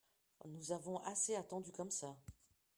Nous avons assez attendu comme ça.